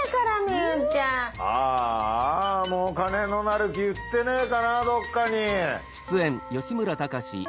ああもうお金のなる木売ってねぇかなぁどっかに。